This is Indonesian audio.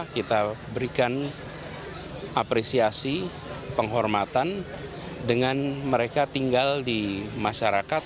kita berikan apresiasi penghormatan dengan mereka tinggal di masyarakat